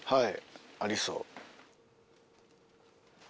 ありそう。